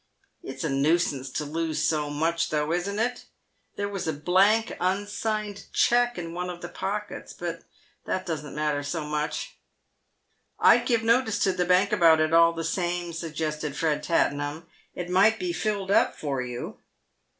It's a nuisance to lose so much though, isn't it ? There was a blank unsigned cheque in one of the pockets, but that doesn't matter so much." " I'd give notice to the Bank about it, all the same," suggested Fred Tattenham. " It might be filled up for you."